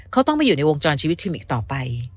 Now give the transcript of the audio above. เขาต้องมาอยู่ในวงจรชีวิตพิมอีกต่อไป